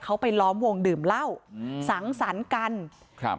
เขาไปล้อมวงดื่มเหล้าอืมสังสรรค์กันครับ